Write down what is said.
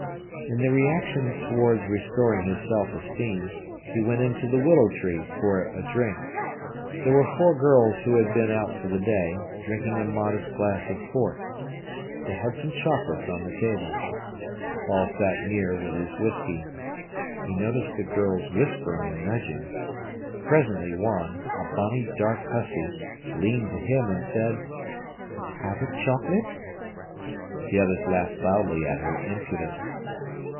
In the reaction towards restoring his self esteem, he went into the Willow Tree for a drink. There were four girls who had been out for the day, drinking a modest glass of port. They had some chocolates on the table. Paul sat near with his whisky. He noticed the girls whispering and nudging. Presently one, a bonny dark hussy, leaned to him and said: "Have a chocolate?" The others laughed loudly at her impudence.